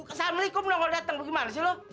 assalamualaikum dong udah dateng gimana sih lu